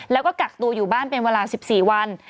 แล้วก็กักตัวอยู่บ้านเป็นเวลา๑๔วัน